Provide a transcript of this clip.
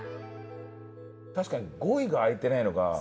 確かに５位が開いてないのが。